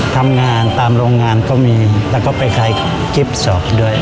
ทำงานตามโรงงานก็มีแล้วก็ไปขายกิฟต์สอบด้วย